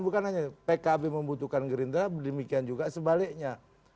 bukan hanya pkb membutuhkan gerindra demikian juga sebaliknya